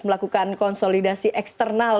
melakukan konsolidasi eksternal